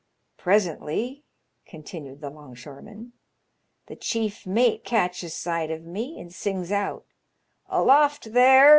''Presently," continued the longshoreman, "the chief mate catches sight of me, and sings out, 'Aloft there